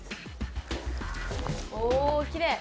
おきれい！